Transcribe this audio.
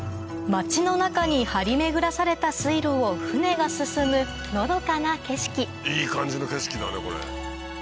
町の中に張り巡らされた水路を舟が進むのどかな景色いい感じの景色だねこれ。